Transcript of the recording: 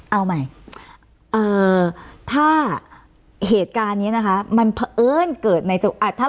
เอาใหม่ถ้าเหตุการณ์นี้นะคะมันเผอิญเกิดในจังหวัด